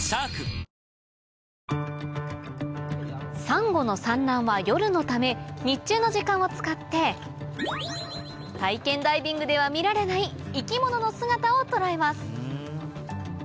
サンゴの産卵は夜のため日中の時間を使って体験ダイビングでは見られない生き物の姿を捉えます